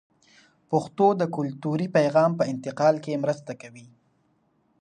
پښتو د کلتوري پیغام په انتقال کې مرسته کوي.